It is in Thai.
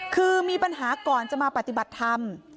คือมีปัญหาก่อนจะมาปฏิบัติธรรม